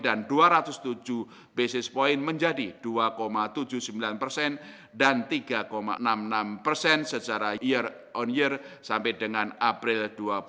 dan dua ratus tujuh basis point menjadi dua tujuh puluh sembilan persen dan tiga enam puluh enam persen secara year on year sampai dengan april dua ribu dua puluh satu